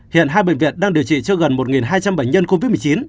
hiện hai bệnh viện đang điều trị cho gần một hai trăm linh bệnh nhân covid một mươi chín